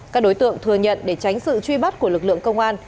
các đối tượng thừa nhận để tránh sự truy bắt của lực lượng công an